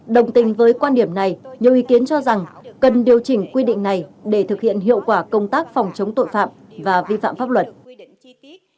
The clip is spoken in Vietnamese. đồng tình với quan điểm này nhiều ý kiến cho rằng cần điều chỉnh quy định này để thực hiện hiệu quả công tác phòng chống tội phạm và vi phạm pháp luật